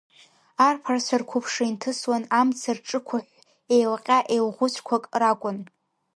Арԥарцәа рқәыԥшра инҭысуан, амца рҿықәыҳәҳә, еилҟьа-еилӷәыцәқәак ракәын.